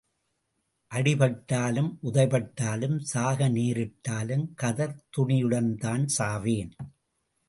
அடிபட்டாலும் உதைபட்டாலும் சாக நேரிட்டாலும் கதர் துணியுடன்தான் சாவேன்.